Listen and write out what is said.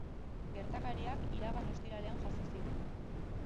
Gertakariak iragan ostiralean jazo ziren.